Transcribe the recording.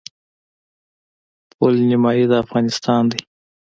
پل نیمايي د افغانستان دی.